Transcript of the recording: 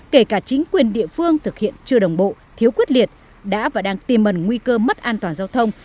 kể cả chính quyền địa phương thực hiện chưa đồng bộ thiếu quyết liệt đã và đang tìm mần nguy cơ mất an toàn giao thông